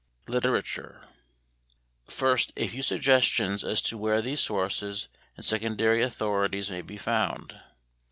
Literature. First, a few suggestions as to where these sources and secondary authorities may be found.